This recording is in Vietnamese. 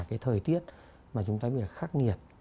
cái thời tiết mà chúng ta bị khắc nghiệt